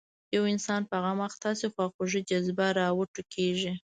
یو انسان په غم اخته شي خواخوږۍ جذبه راوټوکېږي.